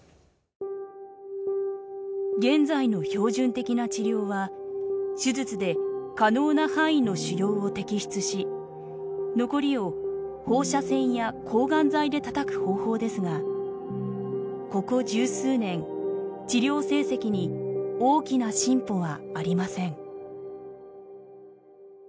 現在の標準的な治療は手術で可能な範囲の腫瘍を摘出し残りを放射線や抗がん剤でたたく方法ですがここ十数年治療成績に大きな進歩はありません。